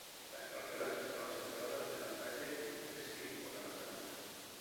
Las parcelas estaban separadas de la calle y entre sí por alambradas.